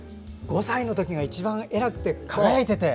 ５歳のときが一番偉くて輝いてて。